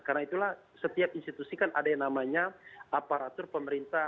karena itulah setiap institusi kan ada yang namanya aparatur pemerintah